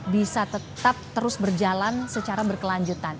bisa tetap terus berjalan secara berkelanjutan